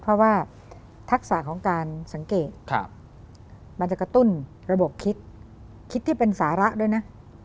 เพราะว่าทักษะของการสังเกตมันจะกระตุ้นระบบคิดคิดที่เป็นสาระด้วยนะ